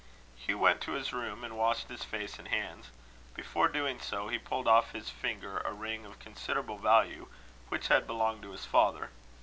Hugh went to his room, and washed his face and hands. Before doing so, he pulled off his finger a ring of considerable value, which had belonged to his father.